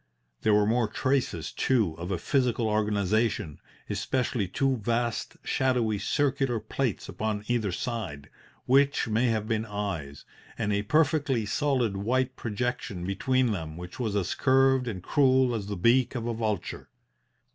There were more traces, too, of a physical organization, especially two vast shadowy, circular plates upon either side, which may have been eyes, and a perfectly solid white projection between them which was as curved and cruel as the beak of a vulture.